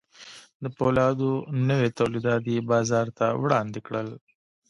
د پولادو نوي تولیدات یې بازار ته وړاندې کړل